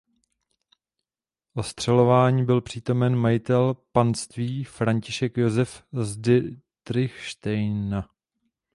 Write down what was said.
Ostřelování byl přítomen majitel panství František Josef z Ditrichštejna.